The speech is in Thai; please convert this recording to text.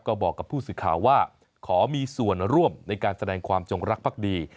ก็บอกกับผู้สื่อข่าวว่าขอมีส่วนร่วมในการแสดงความจงรักภักดี